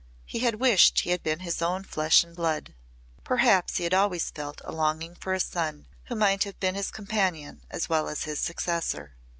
He had wished he had been his own flesh and blood. Perhaps he had always felt a longing for a son who might have been his companion as well as his successor.